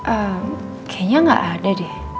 ehm kayaknya nggak ada deh